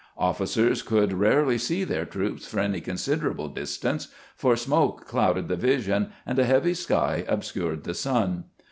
Officers could rarely see their troops for any consider able distance, for smoke clouded the vision, and a heavy sky obscured the sun.